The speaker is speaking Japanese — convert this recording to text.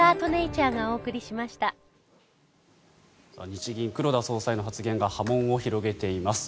日銀、黒田総裁の発言が波紋を広げています。